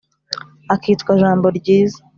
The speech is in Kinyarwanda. akitwa « .jambo-ryiza ».